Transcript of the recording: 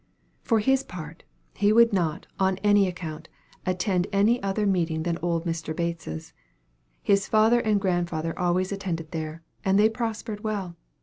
For his part, he would not, on any account, attend any other meeting than old Mr. Bates's. His father and grandfather always attended there, and they prospered well.